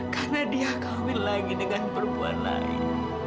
karena dia kahwin lagi dengan perempuan lain